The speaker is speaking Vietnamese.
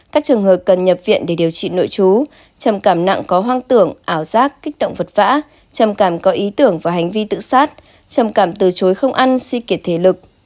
các trường hợp cần nhập viện để điều trị nội chú trầm cảm nặng có hoang tưởng ảo giác kích động vật vã trầm cảm có ý tưởng và hành vi tự sát trầm cảm từ chối không ăn suy kiệt thể lực